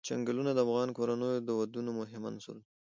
چنګلونه د افغان کورنیو د دودونو مهم عنصر دی.